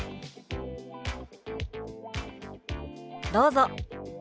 どうぞ。